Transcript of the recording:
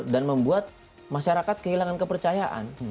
dan membuat masyarakat kehilangan kepercayaan